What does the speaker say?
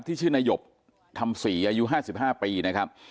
ที่ชื่อนายบทำศรีอายุ๕๕ปีนะครับ